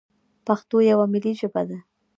پښتو یوه ملي ژبه ده.